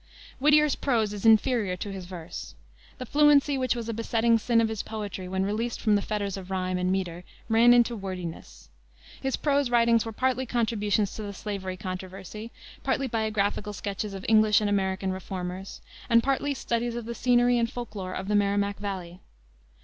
Whittier's prose is inferior to his verse. The fluency which was a besetting sin of his poetry when released from the fetters of rhyme and meter ran into wordiness. His prose writings were partly contributions to the slavery controversy, partly biographical sketches of English and American reformers, and partly studies of the scenery and folk lore of the Merrimack Valley.